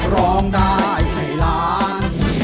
ร้องได้ให้ล้าน